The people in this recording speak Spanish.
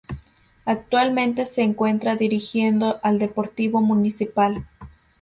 Actualmente se encuentra dirigiendo al Deportivo Municipal.